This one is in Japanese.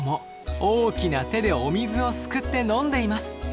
大きな手でお水をすくって飲んでいます。